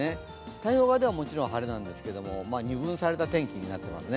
太平洋側ではもちろん晴れなんですけど二分された天気になっていますね。